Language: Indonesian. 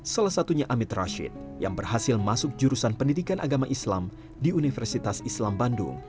salah satunya amit rashid yang berhasil masuk jurusan pendidikan agama islam di universitas islam bandung